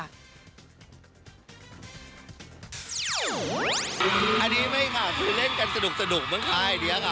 อันนี้ไม่ค่ะคือเล่นกันสนุกเมื่อกี้ค่ะ